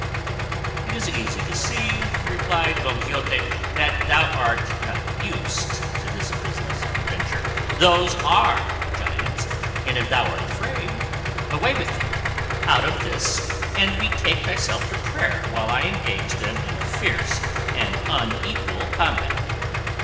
"It is easy to see," replied Don Quixote, "that thou art not used to this business of adventures; those are giants; and if thou art afraid, away with thee out of this and betake thyself to prayer while I engage them in fierce and unequal combat."